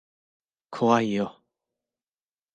怖いよ。